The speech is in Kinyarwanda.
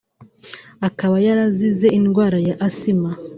akaba yarazize indwara ya Asima